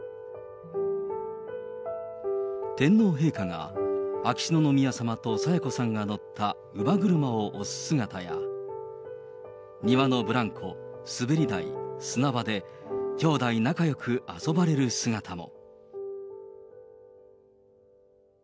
天皇陛下が秋篠宮さまと清子さんが乗った乳母車を押す姿や、庭のブランコ、滑り台、砂場できょうだい仲よく遊ばれる姿も。